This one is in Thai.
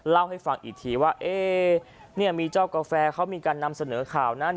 เล่าให้ฟังอีกทีว่ามีเจ้ากาแฟเขามีการนำเสนอข่าวนะ